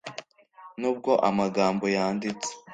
nubwo amagambo yanditse